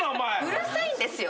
うるさいんですよ。